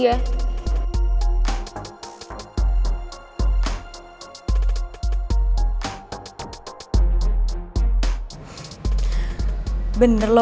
di youtube kan gak ada yang follow